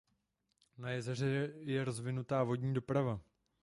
Na jezeře je rozvinutá vodní doprava.